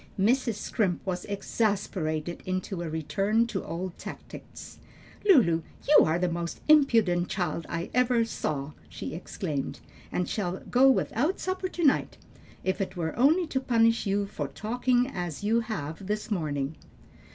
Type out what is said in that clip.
Mrs. Scrimp was exasperated into a return to old tactics. "Lulu, you are the most impudent child I ever saw!" she exclaimed, "and shall go without supper to night, if it were only to punish you for talking as you have this morning."